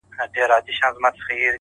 عاجزي د درناوي ریښې ژوروي,